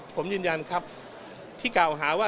ผมยืนยันครับที่กล่าวหาว่า